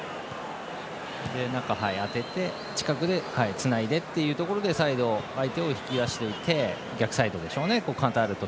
中に当てて近くでつないでというところでサイド、相手を引き出していって逆サイドでしょうね。